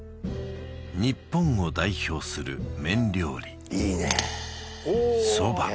日本を代表する麺料理